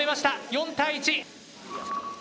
４対１。